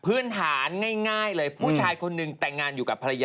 พื้นฐานง่ายเลยผู้ชายคนหนึ่งแต่งงานอยู่กับภรรยา